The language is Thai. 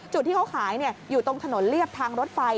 จุดที่เขาขายอยู่ตรงถนนเรียบทางรถไฟ